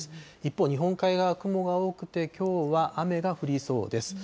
一方、日本海側、雲が多くて、きょうは雨が降りそうです。